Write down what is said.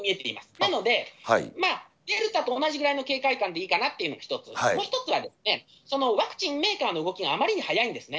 なので、デルタと同じぐらいの警戒感でいいかなというのが一つ、もう一つは、そのワクチンメーカーの動きがあまりに早いんですね。